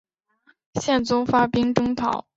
宪宗发兵征讨。